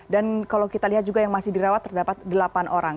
dan kalau kita lihat juga yang masih dirawat terdapat delapan orang